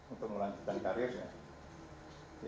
untuk melanjutkan karyasnya